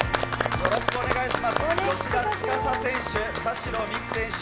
よろしくお願いします。